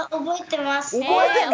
覚えてる？